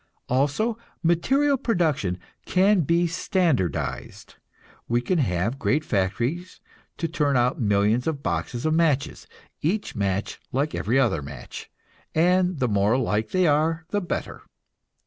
Also, material production can be standardized; we can have great factories to turn out millions of boxes of matches, each match like every other match, and the more alike they are the better.